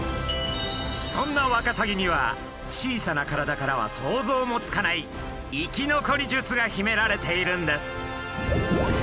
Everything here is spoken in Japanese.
そんなワカサギには小さな体からは想像もつかない生き残り術が秘められているんです。